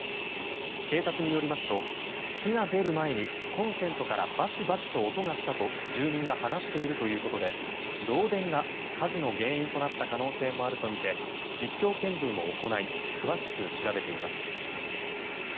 警察によりますと火が出る前にコンセントからバチバチと音がしたと住人が話しているということで漏電が火事の原因となった可能性もあるとみて実況見分を行い詳しく調べています。